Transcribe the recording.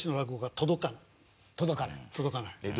届かない。